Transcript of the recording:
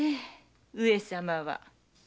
上様は。